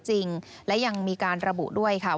จริงและยังมีการระบุด้วยค่ะ